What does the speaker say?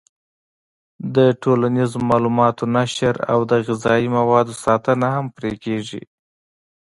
د ټولنیزو معلوماتو نشر او د غذایي موادو ساتنه هم پرې کېږي.